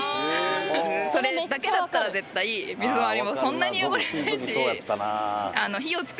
それだけだったら絶対水回りもそんなに汚れないし。